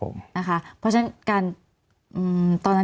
มีความรู้สึกว่ามีความรู้สึกว่า